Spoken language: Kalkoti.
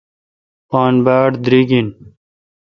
پان باڑ دیریگ این۔